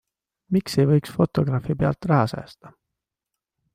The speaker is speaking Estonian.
Miks ei võiks fotograafi pealt raha säästa?